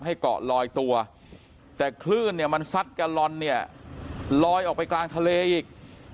เกาะลอยตัวแต่คลื่นเนี่ยมันซัดแกลลอนเนี่ยลอยออกไปกลางทะเลอีก